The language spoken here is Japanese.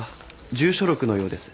住所録のようです。